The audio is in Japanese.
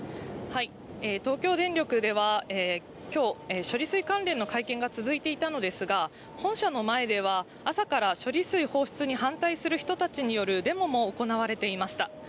東京電力では、きょう、処理水関連の会見が続いていたのですが、本社の前では、朝から処理水放出に反対する人たちによるデモも行われていました。